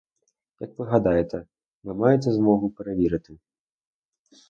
Як ви гадаєте, ви маєте змогу перевірити?